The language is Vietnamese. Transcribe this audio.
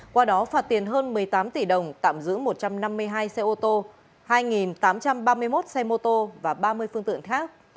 qua đó phạt tiền hơn một mươi tám tỷ đồng tạm giữ một trăm năm mươi hai xe ô tô hai tám trăm ba mươi một xe mô tô và ba mươi phương tượng khác